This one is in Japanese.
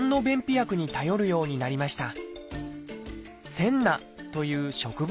「センナ」という植物